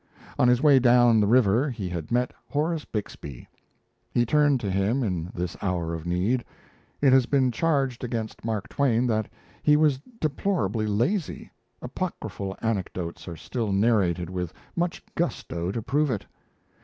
On his way down the river he had met Horace Bixby; he turned to him in this hour of need. It has been charged against Mark Twain that he was deplorably lazy apocryphal anecdotes are still narrated with much gusto to prove it.